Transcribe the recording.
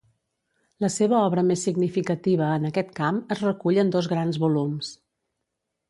La seva obra més significativa en aquest camp es recull en dos grans volums.